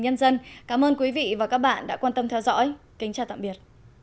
sản xuất cảm ơn quý vị và các bạn đã quan tâm theo dõi kính chào tạm biệt